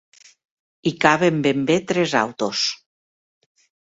Hi caben ben bé tres autos.